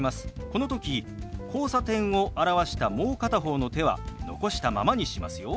この時「交差点」を表したもう片方の手は残したままにしますよ。